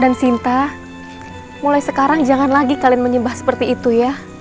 dan sinta mulai sekarang jangan lagi kalian menyembah seperti itu ya